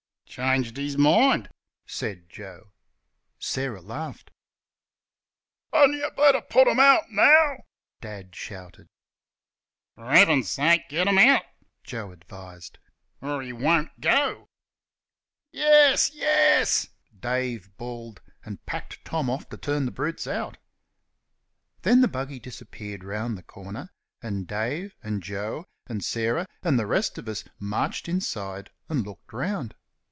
"Changed his mind," said Joe. Sarah laughed. "Hadn't y' better put them out now!" Dad shouted. "For Heaven's sake, get them out," Joe advised, "or he won't go." "Yairs, yairs," Dave bawled, and packed Tom off to turn the brutes out. Then the buggy disappeared round the corner, and Dave and Joe and Sarah and the rest of us marched inside and looked round.